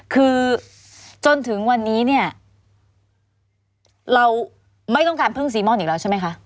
คือจนถึงวันนี้เนี่ยเราไม่ต้องการพึ่งซีม่อนอีกแล้วใช่ไหมคะ